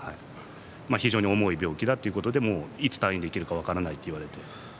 非常に重い病気だということでもう、いつ退院できるか分からないって言われて。